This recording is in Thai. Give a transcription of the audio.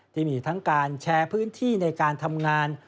ที่มีทั้งการแชร์พื้นที่ในการทำงาน